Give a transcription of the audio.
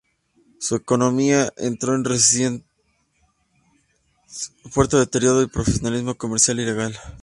Su economía entró en recesión, el puerto se deterioró, y proliferó el comercio ilegal.